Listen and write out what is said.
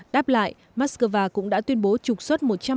đáp lại moscow cũng đã tuyên bố trục xuất